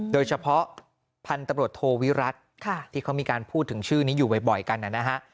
พันธุ์ตำรวจโทวิรัติที่เขามีการพูดถึงชื่อนี้อยู่บ่อยกันนะฮะ